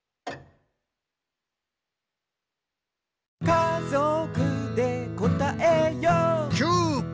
「かぞくでこたえよう」キュー！